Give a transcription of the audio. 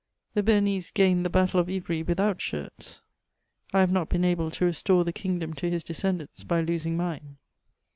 The Beamese gained the hattle of Ivry without shirts. I have not heen able to restore the kingdom to his descendants by losing mine.